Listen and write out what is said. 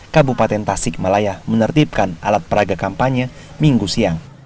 kabupaten tasik malaya menertibkan alat peraga kampanye minggu siang